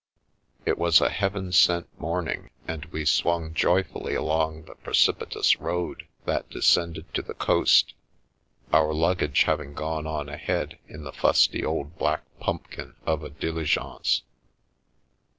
It was a heaven sent morning, and we swung joyfully along the precipitous road that descended to the coast, our luggage having gone on ahead in the fusty old black pumpkin of a diligence.